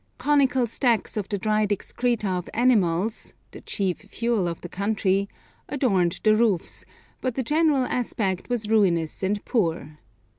Conical stacks of the dried excreta of animals, the chief fuel of the country, adorned the roofs, but the general aspect was ruinous and poor.